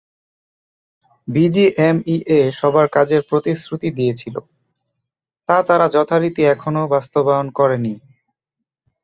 BGMEA সবার কাজের প্রতিশ্রুতি দিয়েছিল, তা তারা যথারীতি এখনো বাস্তবায়ন করেনি।